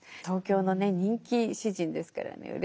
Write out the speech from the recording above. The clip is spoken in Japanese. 東京のね人気詩人ですからね